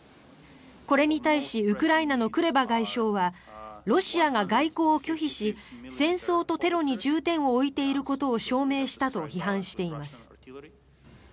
これに対しウクライナのクレバ外相はロシアが外交を拒否し戦争とテロに重点を置いていることを証明したと批判しています。